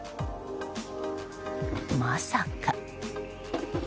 まさか？